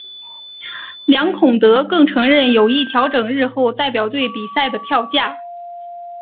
梁孔德更承认有意调整日后代表队比赛的票价。